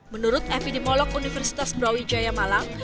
menurut epidemiolog universitas brawijaya malang